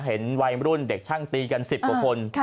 เห็นวัยรุ่นเด็กช่างตีกัน๑๐กว่าคน